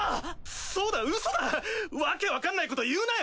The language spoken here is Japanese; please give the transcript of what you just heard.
そうだウソだワケわかんないこと言うなよ。